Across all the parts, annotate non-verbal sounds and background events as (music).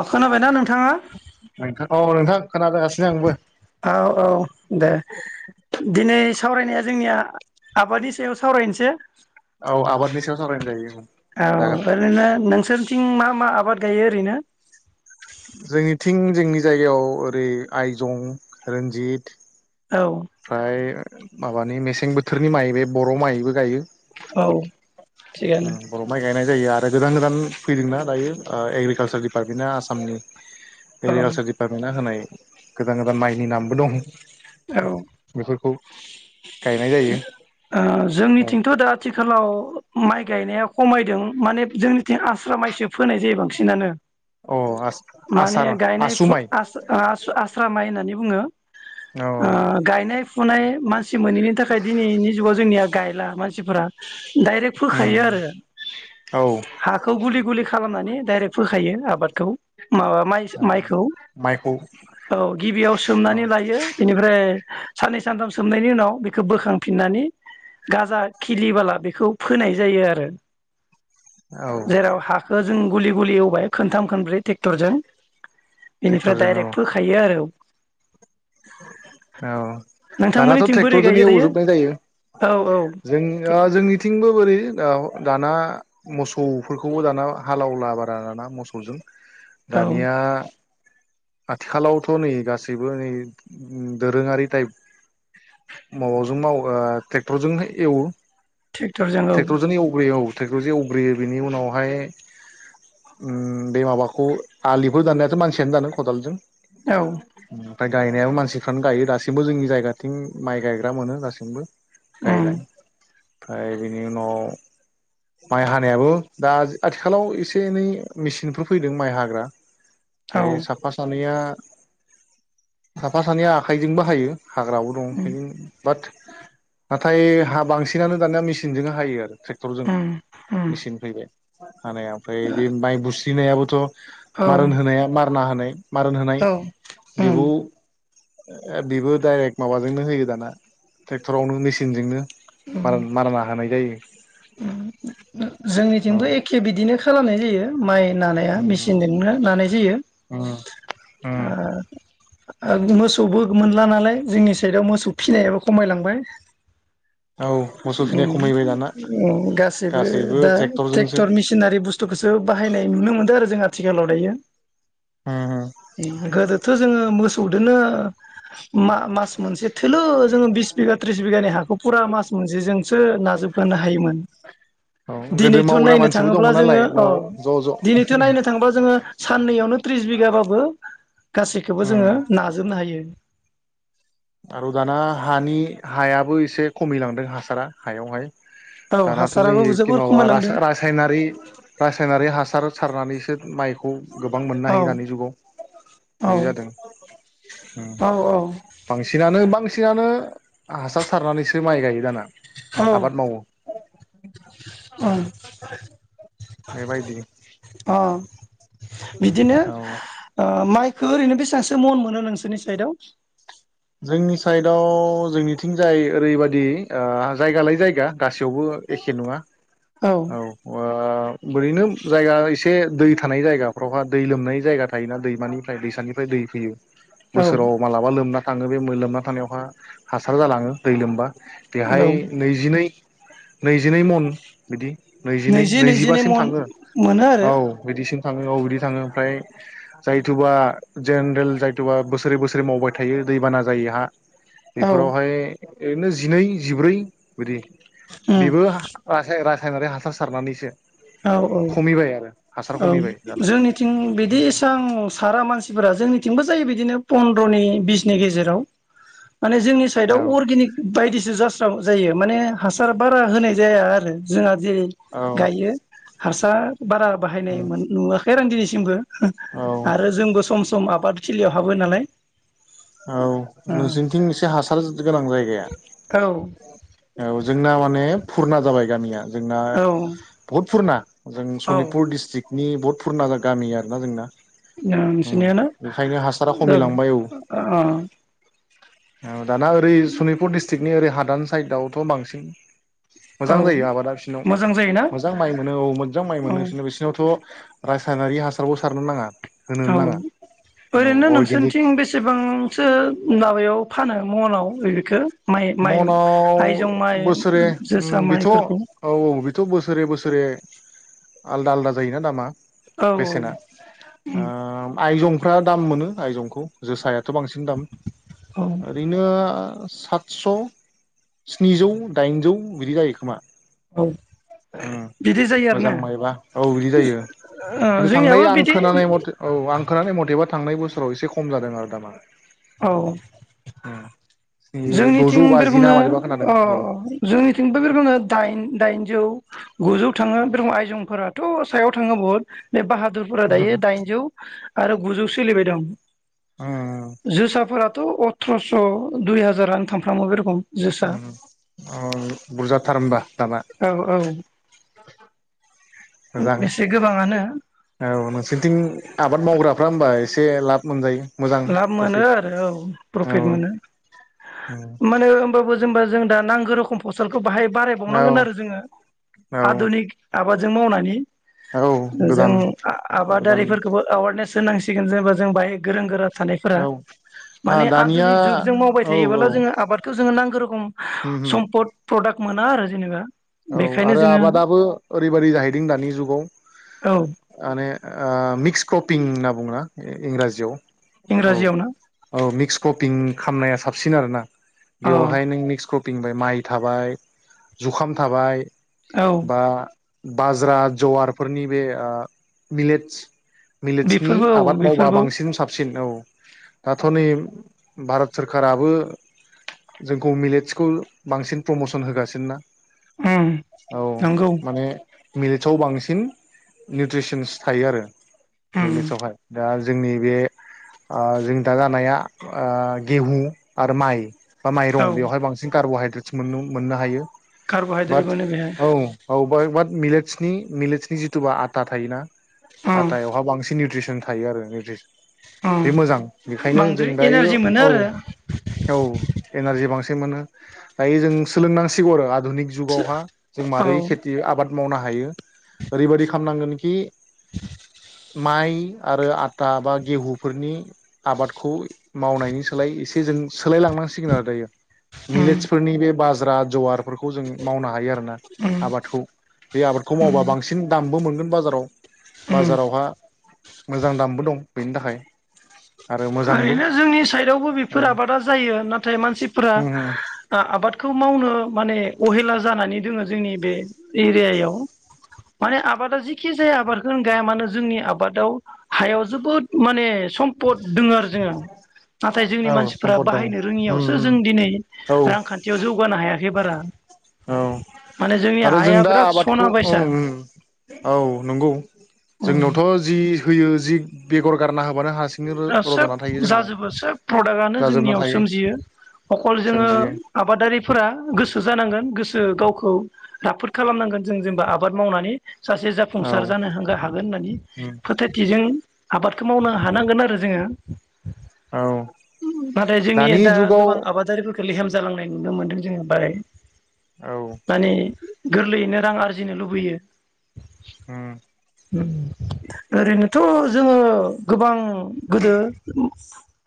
अ खोनाबायना नोंथाङा। नोंथां औ नोंथां खोनागासिनो आंबो औ औ दे दिनै सावरायनाया जोंनिया आबादनि सायाव सावरायनोसै। औ आबादनि सायाव सावरायनो जायो औ जागोन ओरैनो नोंसोरनिथिं मा मा आबाद। गायो ओरैनो। जोंनिथिं जोंनि जायगायाव ओरै आइजं रन्जित औ फाय। माबानि मेसें बोथोरनि माइ बे बर' माइबो गायो। औ थिगानो। बर' माइ गायनाय जायो आरो गोदान गोदान फैदोंना दायो एग्रिकालसार डिपार्टमेन्टआ आसामनि औ एग्रिकालसार डिपार्टमेन्टआ होनाय गोदान गोदान माइनि नामबो दं। बेफोरखौ गायनाय जायो जो ओ जोंनिथिंथ औ दा आथिं आथिखालाव माइ गायनाया खमायदों माने जोंनिथिं आस्रा माइसो फोनाय जायो बांसिनानो अ माने आसार गायनाय आसु फु माइ आसा ओ आस्रा आस्रा माइ होननानै। बुङो। औ ओ गायनाय फुनाय मानसि मोनैनि थाखाय। दिनैनि जुगाव जोंनिया गायला मानसिफोरा डाइरेक्ट फोखायो आरो औ हाखौ गुलि गुलि खालामनानै। डाइरेक्ट फोखायो आबादखौ। माबा माइ औ माइखौ माइखौ औ गिबियाव औ सोमनानै लायो बेनिफ्राय साननै सानथाम सोबनायनि उनाव बे खो बोखांफिनानै गाजा खिलिबाला बेखौ फोनाय जायो आरो। औ जेराव हाखो जों गुलि गुलि एव‌ बाय खोनथाम खोनब्रै ट्रेक्टरजों बेनिफ्राय ट्रेक्टरजों औ दडाइरेक्ट फोखायो आरो। औ दानाथ नोंथांमोननिथिं बोरै ट्रेक्टरजोंनो गायो एव एव दायो जोबनाय जायो औ औ जोंनिआ जोंनिथिंबो ओरै दाव दाना मोसौफोरखौबो दाना हालावला बारा दाना मोसौजों। औ दानिया आथिखालावथ नै गासैबो नै दोरोङारि टाइप माबाजों मावो ओ ट्रेक्टरजोंनो एवो। ट्रेक्टरजों औ ट्रेक्टर जोंनो एवगग्रोयो औ। टेक्टरजों एवग्रोयो बेनि उनावहाय ओम बे माबाखौ आलिफोर दाननायाथ मानसियानो दानो। खदालजों। औ (inaudible) ओमफ्राय गायनायाव मानसिफ्रानो गायो दासिमबो जोंनि जायगाथिं माइ गायग्रा मोनो दासिमबो। उम गायलाय। ओमफ्राय बेनि उनाव माइ हानायाबो दा आथिखालाव एसे एनै मेसिनफोर फैदों माइ हाग्रा। औ बे सात नैया साफा सानैया आखाइजोंबो हायो। हाग्राबो दं उम (unintelligible) बाट नाथाय हा बांसिनानो दानिया मेसिनजों हायो आरो। ट्रेक्टरजों उम उम मेचिन फैबाय। (unintelligible) हानाया ओमफ्राय बे माइ बुस्रिनायाबोथ' औ मारोन होनाया मा खोना होनाय। मारोन होनाय औ उम बेबो। बेबो डायरेक्ट माबाजोंनो होयो दाना ट्रेक्टरावनो मेसिनजोंनो मारा नाहोनाय जायो। औ जोंनिथिंथ' एखे बिदिनो खालामनाय जायो। माइ नानाया उम मेचिनजोंनो नानाय जायो उम उम ओ मोसौबो। मोनला नालाय जोंनि साइदआव मोसौ फिनायाबो खमायलांबाय। औ मोसौ फिनाया उम खमायबाय दाना। (unintelligible) गासैबो दा ट्रेक्टर मिसिनारि बुस्थुखौसो बाहायनाय नुनो मोनदों आरो जों आथिखालाव दायो। उम गोदोथ' जोङो मोसौ (unintelligible) मा-मास मोनसे थोलो जोङो बिस बिगा त्रिस बिगानि हाखौ फुरा मास मोनसेजोंसो नाजोब होनो हायोमोन औ गोदो दिनैथ' मावग्रा नायनो मानसिबो थाङोब्ला दंमोन जोङो नालाय अ न' ज' ज' दिनैथ' नायनो थाङोब्ला जोङो साननैयावनो त्रिस बिगाबाबो गासैखौबो उम जोङो नाजोबनो हायो आरो दाना हानि हायाबो एसे खमिलांदों हासारा हायावहाय औ दानाथ' नै हासाराबो एखे जोबोर माबा खमायलांदों रासा-रासायनारि रासायनारि हासार सारनानैसो माइखौ गोबां मोननो औ हायो दानि जुगाव औ बे जादों औ ओम सिनानो बांसिनानो हासार सारनानैसो माइ गायो दाना आबाद मावो औ औ बेबायदि अ बिदिनो औ ओ माइखो ओरैनो बेसेबांसो मन मोनो नोंसोरनि साइदआव जोंनि साइडआव जोंनिथिंजाय ओरैबायदि ओ जायगालाय जायगा गासैयावबो एखे नङा औ ओ ओरैनो जायगा एसे दै थानाय जायगाफ्रावहा दै लोमनाय जायगा थायोना दैमानिफ्राय दैसानिफ्राय दै फैयो औ बोसोराव मालाबा लोमना थाङो बे मोलोमना थानायावहा हासार जालाङो दै लोमबा। औ बेहाय नैजिनै नैजिनै मन बिदि। नैजिनै नैजि नैजिनै नैजिबासिम मन थाङो मोनो औ आरो बिदिसिम। थाङो औ बिदि थाङो ओमफ्राय जायथुबा जेनेरेल जायथुबा बोसोरे बोसोरे मावबाय थायो दैबाना जायो हा औ बेफोरावहाय ओरैनो जिनै जिब्रै बिदि। उम बेबो (unintelligible) सायनारि हासार सारनानैसो। औ औ खमिबाय आरो हासार औ खमिबाय दाना जोंनिथिं बिदि एसां सारा मानसि फोरा जोंनिथिंबो जायो बिदिनो पन्द्र'नि बिसनि गेजेराव। माने जोंनि साइडआव औ अर्गेनिक बायदिसो जास जायो माने हासार बारा होनाय जाया आरो जोंहा जेरै औ गायो हारसा बारा बाहायनाय मोन नुवाखै आं दिनिसि थिंबो हो औ आरो जोंबो सम सम आब फाथथिलियाव हाबो नालाय। औ नोंसिनथिं एसे हासार गोनां जायगाया औ औ जोंना माने फुरना जाबाय गामिया। जोंना औ बहुद फुरना जों औ सनितपुर डिस्ट्रिक्ट नि बुहुत फुरना गामि आरोना जोंना। उम नोंसिनिया ना बेखायनो हासारा खमिलांबाय औ (unintelligible) ओं औ। दाना ओरै सनिपुर दिस्ट्रिक नि ओरै हादान साइदआवथ' बांसिन। मोजां औ जायो आबादा बिसिनाव मोजां जायोना मोजां माइ मोनो औ मोज्जां माइ औ मोनो नै बिसिनावथ' रासायनारि हासारखौ सारनो नाङा। होनोनो औ नाङा ओरैनथ' औ अर्गेनिक नोंसोनथिं बेसेबां सो माबायाव फानो मनाव ऐ बेखो? मनाव बोसोरे ओम जोसा बिथ' माइफोरखौ औ-औ बिथ' बोसोरे बोसोरे आलदा आलदा जायोना दामा औ औ बेसेना ओ आइजं फ्रा दाम मोनो आइजंखौ जोसाया थ' बांसिन दाम औ ओरैनो सात स' स्निजौ दाइनजौ बिदि जायो खोमा औ ओ बिदि जायो मोजां आरोना मायबा औ बिदि जायो ओ खिन्थु थांनाय जोंनियाबो आं बिदि खोनानाय मथे औ आं खोनानै मथेबा थांनाय बोसोराव एसे खम जादों आरो दामा औ उम स्नि द'जौ जोंनिथिं बे बाजि ना रोखोमनो मारैबा खोनादों अ औ जोंनिथिंबो बे रोखोमनो दाइन दाइन जौ गुजौ थाङो बे रोखोम आयजंफोराथ सायाव थाङो बुहुत बे बाहा दुरफोरा उम दायो दाइनजौ आरो गुजौ सोलिबाय दं उम जोसाफोरा त' अथ्र'स' दुइ हाजारानो थांफ्रामो बे रखम जोसा उम अ बुरजाथार होमबा दामा औ औ मोजां एसे गोबाङानो औ नोंसोरनिथिं आबाद मावग्राफ्रा होनबा एसे एसे लाब मोनजायो मोजां लाब मोनो प्रफिट आरो औ प्रफिट औ मोनो माने होमबाबो जेनबा जों नांगो रोखोम फसल बाहाय औ बारायबावनांगोन जोङो औ आधुनिख आबादजों मावनानै औ जों गोदान गोदान आबादारिफोरखौबो एवारनेस सोनांसिगोन जेनबा जों बाहाय गोरों गोरा थानायफोरा औ ना माने दानिया आधुनिक जुग जों मावबाय औ थायोबोला जोङो आबादखौ जोङो नांग खो रखम उम उम सम्पद प्रडाक्ट मोना आरो जेनेबा औ बेखायनो आरो जोङो आबादाबो ओरैबादि जाहैदों दानि जुगाव औ माने मिक्स क्रपिं न बुङना इंराजियाव औ इंराजियाव ना औ मिक्स कपिं खालामनाया साबसिन आरोना औ बेवहाय नों मिक्स फिंबाय माइ थाबाय जुखा थाबाय औ बा बाज्रा जवारफोरनि बे ओ मिलेटस मिलेटसनि बेफोरबो औ आबाद मावबा बेफोरबो बांसिन साबसिन औ औ दाथ'नै भारत सोरखाराबो जोंखौ मिलेटसखौ बांसिन प्रमसन होगासिनो ना उम औ नंगौ माने मिरिटसाआव बांसिन निउट्रिसनस थायो आरो उम मिलेसाव हाय दा जोंनि बे जों ओ दाजानाया ओ गेहु आरो माइ बा औ माइं बेवहायांन कार्'हाइद्र टेस मोननो हायो बाद कार्बहाइद्रेट मोनो बेहाय औ औ बा बा द मिलेटसनि मिलेटसनि जिथुुबा आथा थायोना उम आथायावहा बांसिन निउट्रिस नों थायो आरो निथिस उम बे मोजां बेखायनो जों बांद्राय दायो एनारजि मोनो औ आरो औ एनारजि बांसि जेमोनो दायो जों सोंलोंनांसिगौ आरो आधुनि जुगावहा जों औ मारै खेथि आबाद मावनो हायो। ओरैबादि खामनांगोनखि माइ आरो आटा बा गेहुफोरनि आबादखौ मावनायनि सोलाय एसे जों सोलाय लांनांसिगोन आरो दायो उम मिलेट्सफोरनि बे बा रा जवारफोरखौ जों मावनो हायो आरोना उम आबादखौ बे आबादखौ उम मावबा बांसिन दामबो मोनगोन बाजाराव। उम बाजारावहा मोजां दामबो दं बेनि थाखाय। आरो मोजांबो ओरैनो जोंनि साइडयावबो औ बेफोर आबादा जायो नाथाय मानसिफोरा उम उम ओ आबाद खौ मावनो माने अहेला जानानै दोङो जोंनि बे एरियायाव माने आबादा जिखि जाया आबादखौ गाया मानो जोंनि आबादाव हायाव जोबोद माने सम्पद दोङो आरो जोङो नाथाय जोंनि औ मानसिफ्रा सम्पद दं बाहायनो उम रोङियावसो उम जों दिनै औ रांखान्थियाव जौगानो हाया बे बारा औ माने जोंनि आरो जों हाया दा बिराद आबादखौ सना अ बायसा उम औ नंगौ जोंनावथ' जि फोयो जि बेगर गारना होब आ सोब जाजोबो सोब प्रडाक्टआनो जाजोबना जोंनियाव थायो सोमजियो अखल जोङो सोमजियो आबादारिफोरा गोसो जानांगोन गोस ओ गावखौ राफोद खालामनांगोन जों जेनेबा आबाद मावनानै सासे औ जाफुंसार जानो होंगो हागोन होननानै उम फोथायथिजों आबादखौ मावनो हानांगोन आरो जोङो। औ नाथाय जोंनि दानि दा जुगाव गोबां आबादारिफोरखौ लेहेम जालांनाय नुनो मोन्दों जोङो बारै। औ मानि गोरलैयैनो रां आरजिनो लुबैयो। उम ओम ओरैनोथ' जोङो गोबां गोदो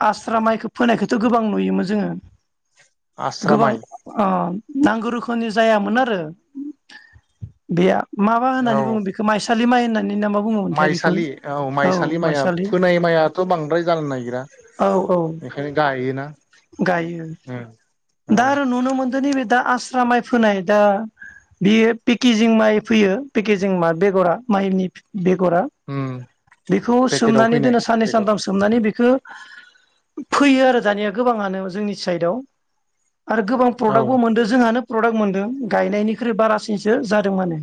आस्रा माइखौ फोनायखो थ गोबां नुयोमोन जोङो। आस्रा गोबां माइ अ नांगौ रोखोमनि जायामोन आरो बेया। माबा औ होननानै बुङो बेखौ माइसा। दि माइनाय माइसालि औ माइसालि माइया फोनाय मायाथ बांद्राय जानो नागिरा औ औ बेखायनो गायोना गायो ओ दा औ। आरो नुनो मोनदों नैबे दा आस्रा माइ फोनाय दा बेयो पेकेजिं माइ फैयो पेकेजिं मा बेगरा माइनि। बेगरा उम बेखौ पेकेटाव सोमनानै। फैनाय बिदिनो साननै बेगर सानथाम सोमनानै बेखो। फैयो आरो दानिया गोबाङानो जोंनि साइदआव। आरो गोबां औ प्रडाकबो मोनदो जोंहानो। प्रडाक मोनदों गायनायनिख्रुइ बारासिनसो जादों माने।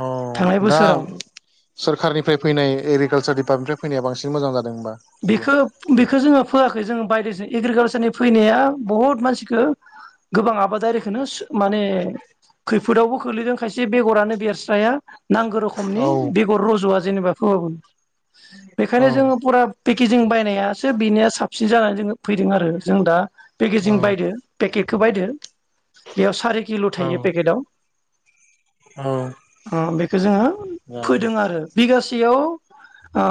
अ थांनाय दा बोसोराव सोरखारनिफ्राय फैनाय एग्रिकालसार। बबेनिफ्राय फैनाया बांसिन मोजां जाद बेखो बेखो जोङो फोआखै जो बायदोंसो। जों एग्रिकालसारनि फैनाया बहुत मानसिखो गोबां आबादारिखौनो माने खैफोदावबो खोलैदों खायसे बेगरानो बेरस्राया। नांगौ औ रोखोमनि बेगर रज'वा। जेनेबा फोबाबो। बेखायनो औ जोङो फुरा पेकेजिं बाय नायासो बिनाया साब बिसिनि जानानै जोङो फैदों आरो जों दा पेकेजिं औ बायदो पेकेट खो बायदो बेयाव सारि किल' थायो औ पेकेटआव औ ओ बेखौ जोङो जाबाय फोदों आरो बिगासे सेयाव ओ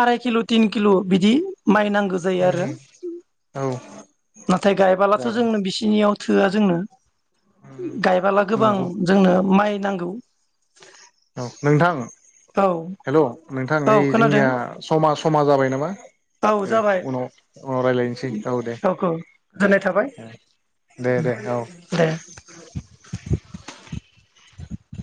आराय किल' तिन किल' बिदि। माइ नांगौ जायो आरो औ नाथाय गायबोलाथ' जागोन जोंनो बिसिनियाव थोआ जोंनो। गायबोला गोबां नंगौ जोंनो माइ नांगौ। औ नोंथां औ हेल' नोंथां औ ओइ खोनादों जोंनिया समा सम समा जाबाय नामा औ दे जाबाय उनाव उनाव रायलायनोसै औ दे दे दे दे औ। दे